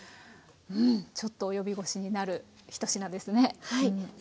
うんちょっと及び腰になる１品ですね。